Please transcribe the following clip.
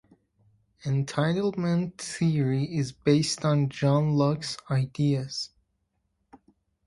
Entitlement theory is based on John Locke's ideas.